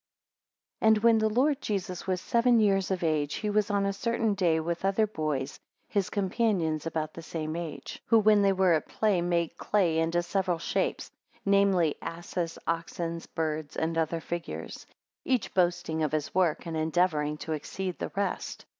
AND when the Lord Jesus was seven years of age, he was on a certain day with other boys his companions about the same age; 2 Who, when they were at play, made clay into several shapes, namely asses, oxen, birds, and other figures; 3 Each boasting of his work, and endeavouring to exceed the rest.